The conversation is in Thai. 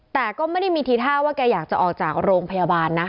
แต่ก็ไม่ได้มีทีท่าว่าแกอยากจะออกจากโรงพยาบาลนะ